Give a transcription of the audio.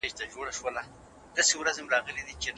تاسي باید د خپل اخیرت لپاره د الله مننه ولرئ.